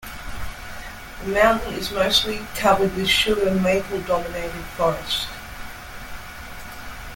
The mountain is mostly covered with sugar maple-dominated forest.